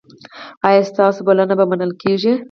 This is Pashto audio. ایا ستاسو بلنه به منل کیږي؟